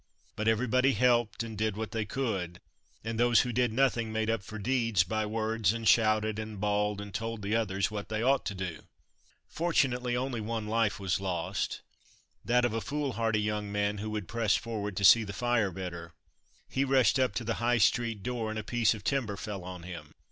But everybody helped and did what they could, and those who did nothing made up for deeds by words and shouted and bawled and told the others what they ought to do. Fortunately, only one life was lost, that of a fool hardy young man who would press forward to see the fire better he rushed up to the High street door and a piece of timber fell on him.